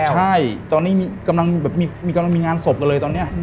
ใช่ตอนนี้กำลังมีงานศพกันเลยตอนนี้